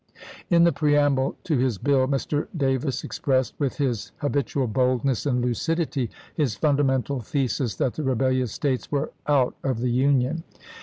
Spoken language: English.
In the preamble to his bill Mr. Davis expressed, with his habitual boldness and lucidity, his funda mental thesis that the rebellious States were out of the Union.